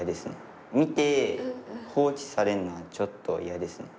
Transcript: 見て放置されるのはちょっと嫌ですね。